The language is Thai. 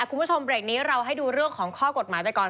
คุณผู้ชมเบรกนี้เราให้ดูเรื่องของข้อกฎหมายไปก่อน